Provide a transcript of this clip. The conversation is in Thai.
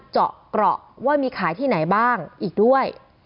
เจาะเกราะว่ามีขายที่ไหนบ้างอีกด้วย